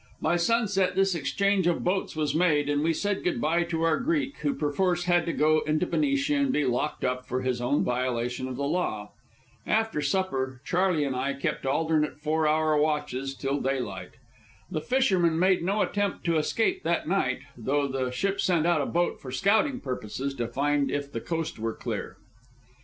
By sunset this exchange of boats was made, and we said good by to our Greek, who perforce had to go into Benicia and be locked up for his own violation of the law. After supper, Charley and I kept alternate four hour watches till daylight. The fishermen made no attempt to escape that night, though the ship sent out a boat for scouting purposes to find if the coast were clear.